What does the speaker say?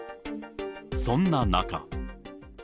そんな中。